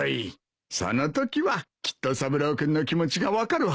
そのときはきっと三郎君の気持ちが分かるはずだ。